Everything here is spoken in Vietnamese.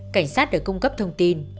cảnh sát được cung cấp thông tin